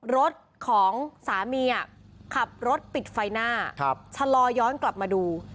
รถของสามีขับรถปิดไฟหน้าชะลอย้อนกลับมาดู